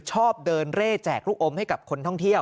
ชอบเดินเร่แจกลูกอมให้กับคนท่องเที่ยว